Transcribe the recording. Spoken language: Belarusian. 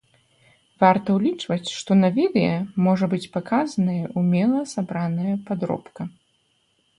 Варта ўлічваць, што на відэа можа быць паказаная ўмела сабраная падробка.